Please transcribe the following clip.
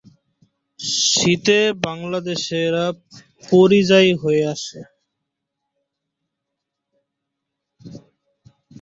শীতে বাংলাদেশে এরা পরিযায়ী হয়ে আসে।